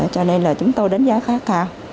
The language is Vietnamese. cho nên là chúng tôi đánh giá khá cao